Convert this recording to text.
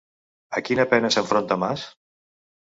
A quina pena s'enfronta Mas?